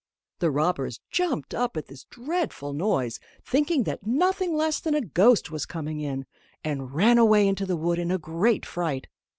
The robbers jumped up at this dreadful noise, thinking that nothing less than a ghost was coming in, and ran away into the wood in a great fright.